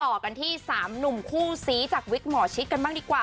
ต่อกันที่๓หนุ่มคู่ซีจากวิกหมอชิดกันบ้างดีกว่า